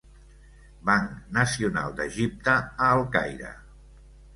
Banc Nacional d'Egipte a El Caire.